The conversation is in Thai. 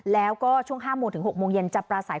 แล้วก็ช่วง๕โมงถึง๖โมงเย็นจะปราศัย